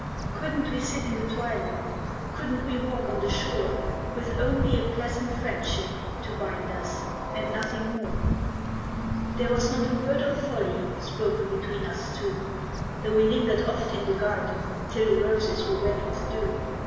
Couldn't we sit in the twilight, Couldn't we walk on the shore With only a pleasant friendship To bind us, and nothing more? There was not a word of folly Spoken between us two, Though we lingered oft in the garden Till the roses were wet with dew.